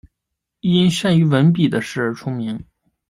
因善于文笔的事而出名。